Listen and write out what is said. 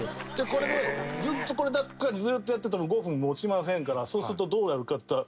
これでずっとこればっかりずっとやってても５分持ちませんからそうするとどうやるかっていったら。